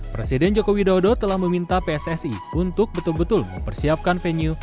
presiden joko widodo telah meminta pssi untuk betul betul mempersiapkan venue